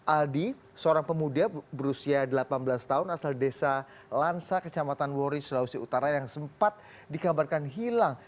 aldi seorang pemuda berusia delapan belas tahun asal desa lansa kecamatan wori sulawesi utara yang sempat dikabarkan hilang